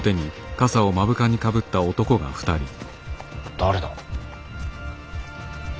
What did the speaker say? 誰だ？